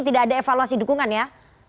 tidak ada evaluasi dukungan ya